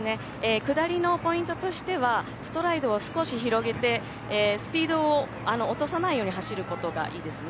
下りのポイントとしてはストライドを少し広げてスピードを落とさないように走ることがいいですね。